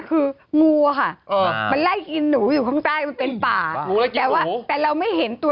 คืองูอะค่ะมันไล่อินหนูอยู่ข้างใต้มันเป็นป่าแต่ว่าแต่เราไม่เห็นตัว